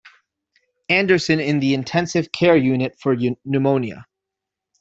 Anderson in the intensive care unit for pneumonia.